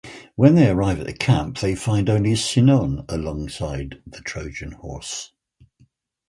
When they arrive at the camp they find only Sinon alongside the Trojan Horse.